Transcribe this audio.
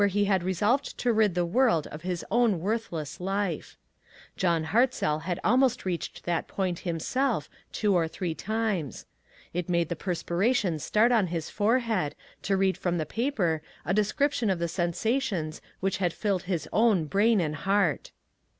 he had resolved to rid the world of his own worthless life. John Hart "LABORERS TOGETHER." 237 zell had almost reached that point himself two or three times. It made the perspira tion start on his forehead to read from the paper a description of the sensations which had filled his own brain and heart.